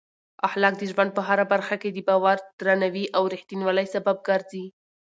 اخلاق د ژوند په هره برخه کې د باور، درناوي او رښتینولۍ سبب ګرځي.